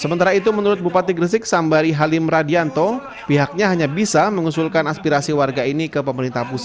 sementara itu menurut bupati gresik sambari halim radianto pihaknya hanya bisa mengusulkan aspirasi warga ini ke pemerintah pusat